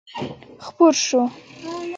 خپور شو.